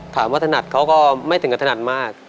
ถามว่าถนัดเขาก็ไม่ถึงถนัดมาก